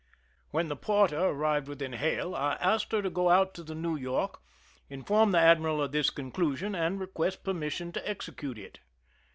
Wh.en the Porter arrived within hail I asked her to go out to the New York, inform the admiral of ttiis conclusion, and request permission to execute i1